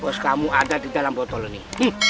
bos kamu ada di dalam botol lo nih